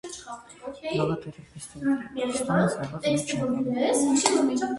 Благодарю представителя Пакистана за его замечания.